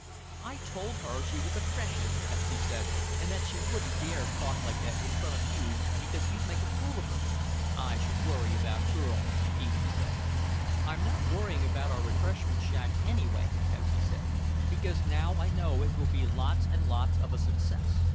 "I told her she was a freshy," Pepsy said, "and that she wouldn't dare talk like that in front of you because you'd make a fool of her." "I should worry about girls," Pee wee said. "I'm not worrying about our refreshment shack anyway," Pepsy said, "because now I know it will be lots and lots of a success.